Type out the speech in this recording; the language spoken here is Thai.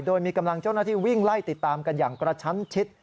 โดยมีกำลังเจ้าหน้าที่วิ่งไล่ติดตามกันอย่างกระชั้นชิด